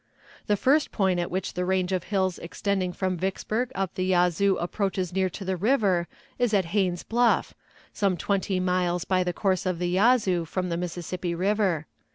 The first point at which the range of hills extending from Vicksburg up the Yazoo approaches near to the river is at Haines's Bluff, some twenty miles by the course of the Yazoo from the Mississippi River.